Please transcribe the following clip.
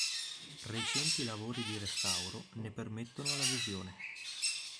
Recenti lavori di restauro ne permettono la visione.